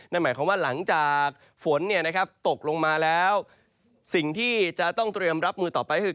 นั่นหมายความว่าหลังจากฝนตกลงมาแล้วสิ่งที่จะต้องเตรียมรับมือต่อไปคือ